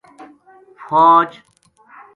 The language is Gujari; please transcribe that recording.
فوج